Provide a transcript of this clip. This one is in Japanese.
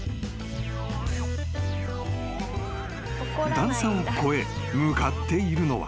［段差を越え向かっているのは］